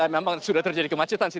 memang sudah terjadi kemacetan sih